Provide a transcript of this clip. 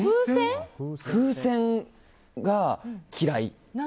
風船が嫌い。